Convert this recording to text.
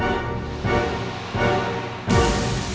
ya aku harus berhasil